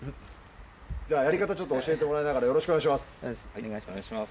やり方ちょっと教えてもらいながらよろしくお願いします！